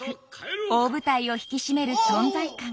大舞台を引き締める存在感。